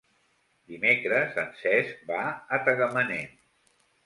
Dimecres en Cesc va a Tagamanent.